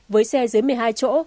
với xe dưới một mươi hai chỗ